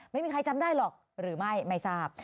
ไม่มีใครจำได้หรอกหรือไม่ไม่ทราบ